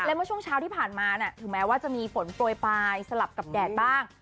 และเมื่อช่วงเช้าที่ผ่านมาถึงแม้ว่าจะมีฝนโปรยปลายสลับกับแดดบ้าง